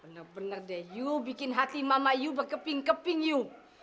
benar benar deh kamu bikin hati mama kamu berkeping keping kamu